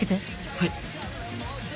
はい。